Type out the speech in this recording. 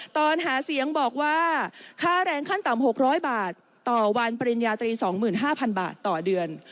ตอนหาเสียงบอกว่าค่าแรงขั้นต่ำ๖๐๐บาทต่อวันปริญญาตรี๒๕๐๐บาทต่อเดือน